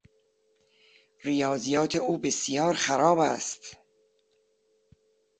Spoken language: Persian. ریاضیات او بسیار خراب است.